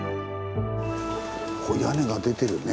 これ屋根が出てるね。